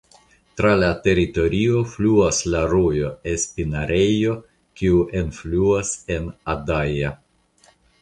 Tra la teritorio fluas la rojo Espinarejo kiu enfluas en Adaja.